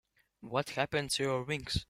What happened to your wings?